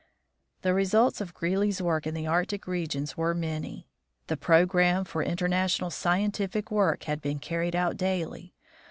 The results of Greely's work in the Arctic regions were many. The programme for international scientific work had been carried out daily.